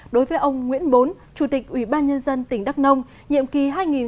đối với ông nguyễn bốn chủ tịch ủy ban nhân dân tỉnh đắk nông nhiệm kỳ hai nghìn một mươi sáu hai nghìn hai mươi một